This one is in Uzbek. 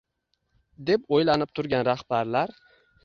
deb o‘ylanib turgan rahbarlar